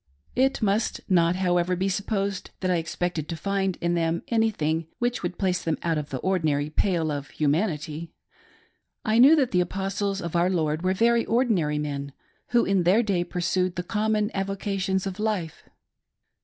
QI It must not, however, be supposed that I expected to find in them anything which would place them out of the ordinary pale of humanity. I knew that the Apostles of our Lord were very ordinary men, who in their day pursued the common avocations of life.